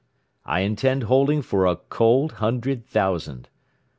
I intend holding for a cold hundred thousand.